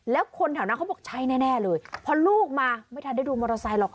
แล้วคนแถวนั้นเขาบอกใช่แน่เลยพอลูกมาไม่ทันได้ดูมอเตอร์ไซค์หรอก